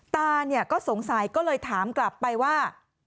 ตาเนี่ยก็สงสัยก็เลยถามกลับไปว่า